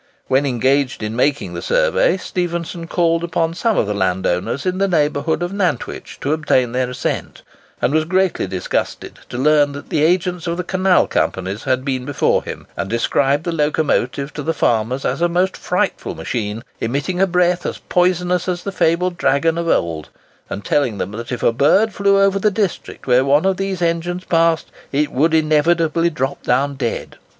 When engaged in making the survey, Stephenson called upon some of the landowners in the neighbourhood of Nantwich to obtain their assent, and was greatly disgusted to learn that the agents of the canal companies had been before him, and described the locomotive to the farmers as a most frightful machine, emitting a breath as poisonous as the fabled dragon of old; and telling them that if a bird flew over the district where one of these engines passed, it would inevitably drop down dead!